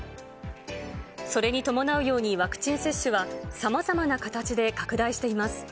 それに伴うようにワクチン接種はさまざまな形で拡大しています。